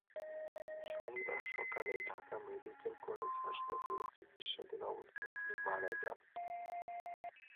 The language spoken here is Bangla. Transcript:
শনিবার সকালে ঢাকা মেডিকেল কলেজ হাসপাতালে চিকিৎসাধীন অবস্থায় তিনি মারা যান।